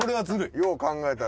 よう考えたら。